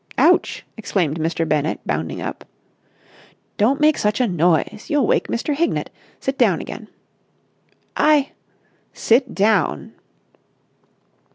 "Ouch!" exclaimed Mr. Bennett, bounding up. "Don't make such a noise! You'll wake Mr. Hignett. Sit down again!" "I...." "Sit down!"